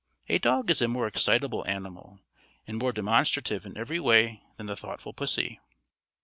A dog is a more excitable animal, and more demonstrative in every way than the thoughtful pussy.